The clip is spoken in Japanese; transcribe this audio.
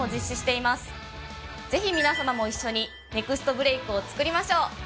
ぜひ皆さまも一緒にネクストブレイクを作りましょう。